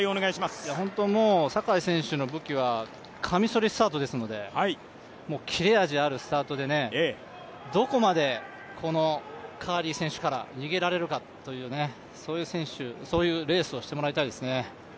坂井選手の武器はカミソリスタートですので切れ味あるスタートでどこまでカーリー選手から逃げられるかという、そういうレースをしてもらいたいですね。